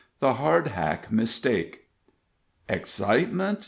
"] THE HARDHACK MISTAKE. Excitement?